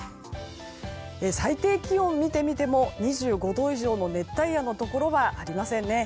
最低気温を見てみても２５度以上の熱帯夜のところはありませんね。